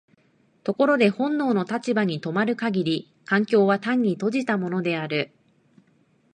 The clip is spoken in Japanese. ところで本能の立場に止まる限り環境は単に閉じたものである。